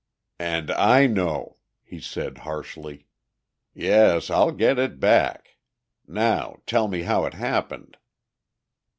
"And I know!" he said harshly. "Yes, I'll get it back! Now, tell me how it happened."